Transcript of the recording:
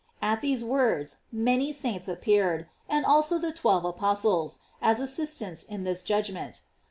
At these words many saints appeared, and also the twelve apos tles, as assistants in this judgment.